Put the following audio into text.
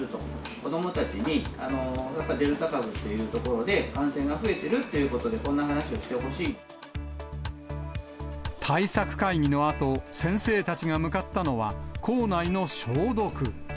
子どもたちにやっぱデルタ株っていうところで、感染が増えてるということでこんな話をしてほしい。対策会議のあと、先生たちが向かったのは、校内の消毒。